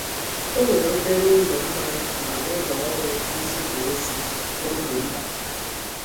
E nwere obere ụlọ mmanya na ụlọ ọrụ nzipu ozi na ọgbe mbata.